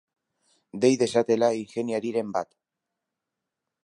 Dei dezatela ingeniariren bat.